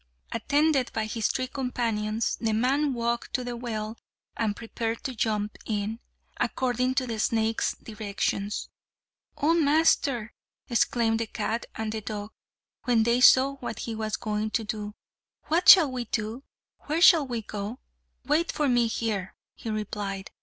Attended by his three companions the man walked to the well and prepared to jump in, according to the snake's directions. "O master!" exclaimed the cat and dog, when they saw what he was going to do. "What shall we do? Where shall we go?" "Wait for me here," he replied.